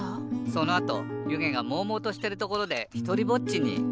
そのあとゆげがもうもうとしてるところでひとりぼっちに。